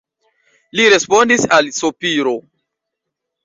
Li respondis al sopiro.